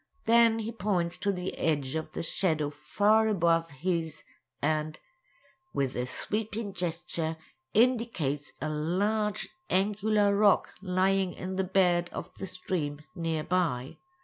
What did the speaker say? Then he points to the edge of the shadow far above his, and, with a sweeping gesture, indicates a large angular rock lying in the bed of the stream near by.